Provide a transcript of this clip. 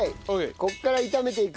ここから炒めていく。